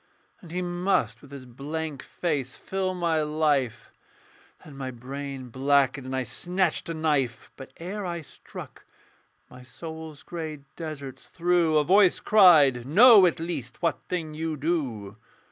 And he must with his blank face fill my life Then my brain blackened; and I snatched a knife. But ere I struck, my soul's grey deserts through A voice cried, 'Know at least what thing you do.'